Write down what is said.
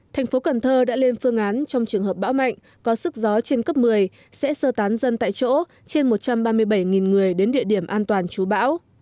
thành phố cần thơ đã lên phương án trong trường hợp bão mạnh có sức gió trên cấp một mươi sẽ sơ tán dân tại chỗ trên một trăm ba mươi bảy người đến địa điểm an toàn chú bão